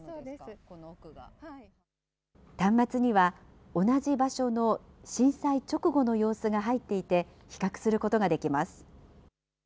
端末には同じ場所の震災直後の様子が入っていて、比較することができます。